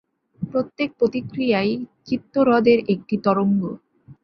প্রত্যেক প্রতিক্রিয়াই চিত্তহ্রদের একটি তরঙ্গ।